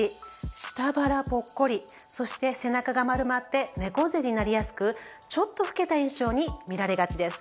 下腹ぽっこりそして背中が丸まって猫背になりやすくちょっと老けた印象に見られがちです。